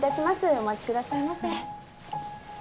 お待ちくださいませ。